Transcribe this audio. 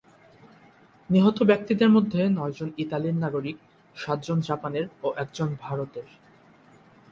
নিহত ব্যক্তিদের মধ্যে নয়জন ইতালির নাগরিক, সাতজন জাপানের ও একজন ভারতের।